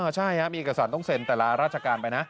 ใช่ครับมีเอกสารต้องเซ็นแต่ละราชการไปนะ